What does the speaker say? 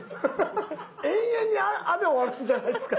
永遠に「あ」で終わるんじゃないですか？